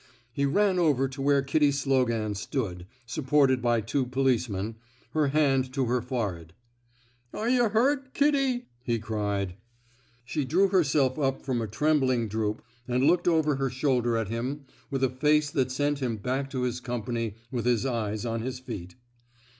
He ran over to where Kitty Slogan stood, supported by two policemen, her hand to her forehead. Are yuh hurt, Kitty? '* he cried. She drew herself up from a trembling droop and looked over her shoulder at him with a face that sent him back to his company with his eyes on his feet.